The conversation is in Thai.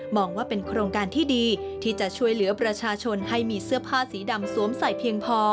ว่าเป็นโครงการที่ดีที่จะช่วยเหลือประชาชนให้มีเสื้อผ้าสีดำสวมใส่เพียงพอ